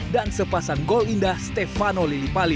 dan sepasang gol indah stefano lillipali